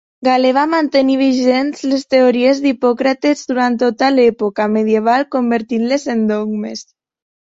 Galè va mantenir vigents les teories d'Hipòcrates durant tota l'època medieval convertint-les en dogmes.